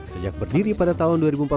sejak berdiri pada tahun dua ribu empat belas